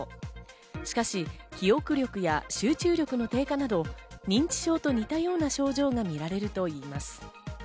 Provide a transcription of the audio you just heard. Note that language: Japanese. しかし、記憶力や集中力の低下など認知症と似たような症状が見られるといいます。